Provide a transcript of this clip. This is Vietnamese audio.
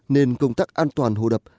nên công tác an toàn hồ đập